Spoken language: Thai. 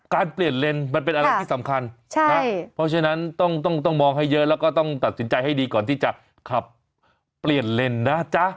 เปลี่ยนเลนมันเป็นอะไรที่สำคัญเพราะฉะนั้นต้องมองให้เยอะแล้วก็ต้องตัดสินใจให้ดีก่อนที่จะขับเปลี่ยนเลนนะจ๊ะ